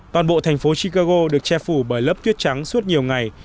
toàn bộ thành phố chicago được che phủ bởi lớp tuyết trắng suốt nhiều ngày